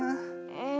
うん。